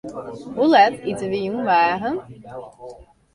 Hoe let ite wy jûn waarm?